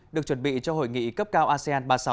được chuẩn bị cho hội nghị cấp cao asean ba mươi sáu